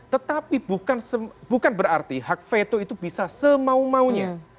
tetapi bukan berarti hak veto itu bisa semau maunya